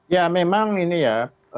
ya memang ini ya